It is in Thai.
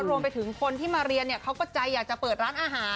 รวมไปถึงคนที่มาเรียนเขาก็ใจอยากจะเปิดร้านอาหาร